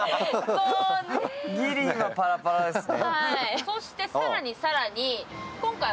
ギリ、今パラパラですね。